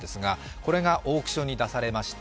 これがオークションに出されました。